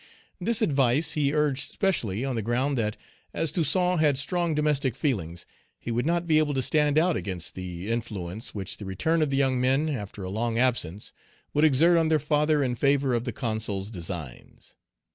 This advice he urged specially on the ground that, as Toussaint had strong domestic feelings, he would not be able to stand out against the influence which the return of the young men, after a long absence, would exert on their father in favor of the Consul's designs.